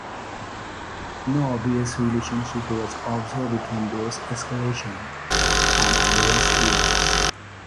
No obvious relationship was observed between dose escalation and adverse events.